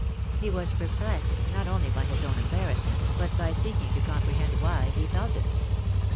He was perplexed not only by his own embarrassment, but. by seeking to comprehend why he felt it.